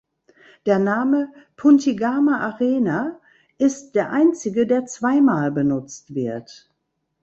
Der Name "Puntigamer-Arena" ist der einzige, der zweimal benutzt wird.